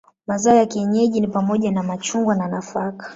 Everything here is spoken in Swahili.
Mazao ya kienyeji ni pamoja na machungwa na nafaka.